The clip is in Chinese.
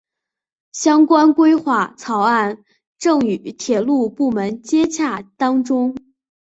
相关规划草案正与铁路部门接洽当中。